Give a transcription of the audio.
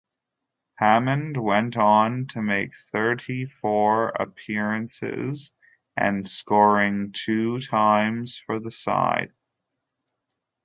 Hammond went on to make thirty-four appearances and scoring two times for the side.